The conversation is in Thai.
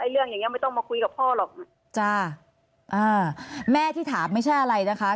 เรื่องอย่างเงี้ไม่ต้องมาคุยกับพ่อหรอกจ้าอ่าแม่ที่ถามไม่ใช่อะไรนะคะ